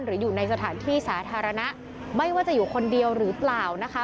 หรืออยู่ในสถานที่สาธารณะไม่ว่าจะอยู่คนเดียวหรือเปล่านะคะ